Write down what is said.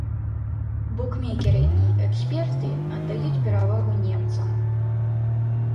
Букмекеры і эксперты аддаюць перавагу немцам.